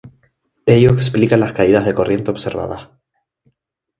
Ello explica las caídas de corriente observadas.